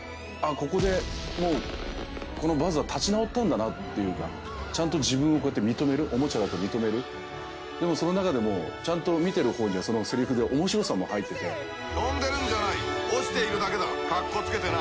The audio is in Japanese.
ここでもうこのバズは立ち直ったんだなっていうかちゃんと自分をこうやって認めるオモチャだと認めるでもその中でもちゃんと見てる方にはそのせりふで面白さも入ってて飛んでるんじゃない落ちているだけだかっこつけてな